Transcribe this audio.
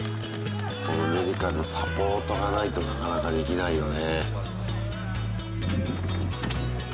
このメディカルのサポートがないとなかなかできないよね。